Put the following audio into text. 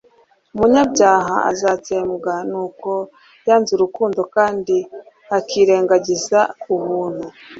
Umunyabyaha azatsembwa nuko yanze urukundo kandi akirengagiza ubuntu.